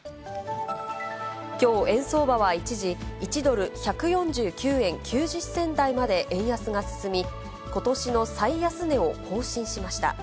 きょう、円相場は一時、１ドル１４９円９０銭台まで円安が進み、ことしの最安値を更新しました。